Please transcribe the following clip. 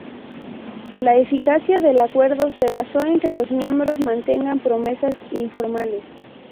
La eficacia del acuerdo se basó en que los miembros mantengan promesas informales.